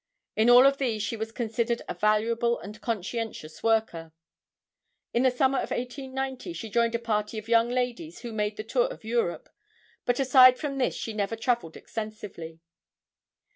In all of these she was considered a valuable and conscientious worker. In the summer of 1890 she joined a party of young ladies who made the tour of Europe, but aside from this she never traveled extensively.